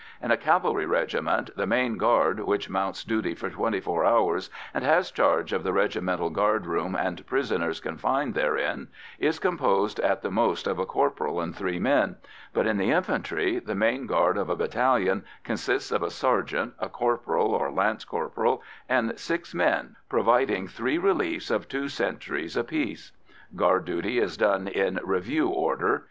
In a cavalry regiment, the "main guard," which mounts duty for twenty four hours and has charge of the regimental guard room and prisoners confined therein, is composed at the most of a corporal and three men, but in the infantry the main guard of a battalion consists of a sergeant, a corporal or lance corporal, and six men, providing three reliefs of two sentries apiece. Guard duty is done in "review order."